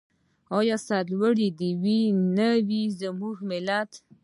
آیا سرلوړی دې نه وي زموږ ملت؟